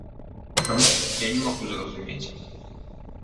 Чаму, я не магу зразумець.